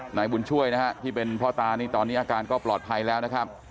นายบุญช่วยนะฮะที่เป็นพ่อตานี่ตอนนี้อาการก็ปลอดภัยแล้วนะครับ